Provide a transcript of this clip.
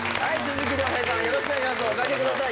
おかけください